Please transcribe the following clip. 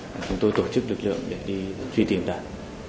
chúng tôi tổ chức lực lượng để đi truy tìm đạt